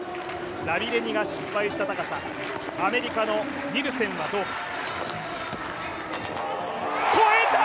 ラビレニが失敗した高さ、アメリカのニルセンはどうか。